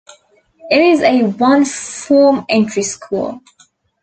It is a one form entry school.